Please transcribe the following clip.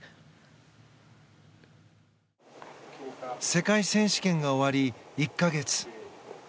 世界選手権が終わり１か月。